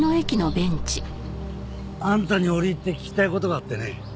あんたに折り入って聞きたい事があってね。